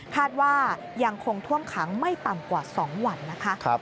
คาดว่ายังคงท่วมขังไม่ต่ำกว่า๒วันนะคะ